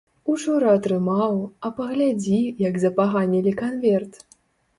Учора атрымаў, а паглядзі, як запаганілі канверт.